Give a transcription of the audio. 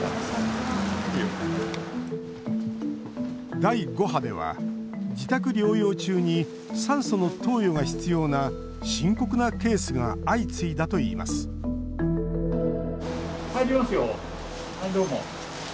第５波では自宅療養中に酸素の投与が必要な深刻なケースが相次いだといいます入りますよ。